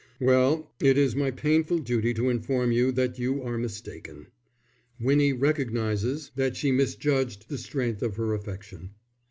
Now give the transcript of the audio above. "Well, it is my painful duty to inform you that you are mistaken. Winnie recognizes that she misjudged the strength of her affection."